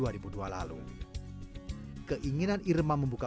keinginan irma membuka usaha ini adalah untuk menjahit kain perca